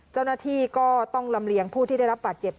เจ้าหน้าที่ก็ต้องลำเลียงผู้ที่ได้รับบาดเจ็บ